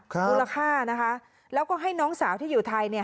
มูลค่านะคะแล้วก็ให้น้องสาวที่อยู่ไทยเนี่ย